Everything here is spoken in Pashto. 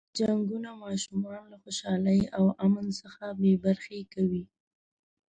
جنګونه ماشومان له خوشحالۍ او امن څخه بې برخې کوي.